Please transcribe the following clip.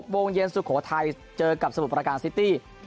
โมงเย็นสุโขทัยเจอกับสมุทรประการซิตี้